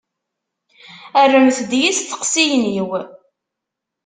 Rremt-d i yisteqsiyen-iw.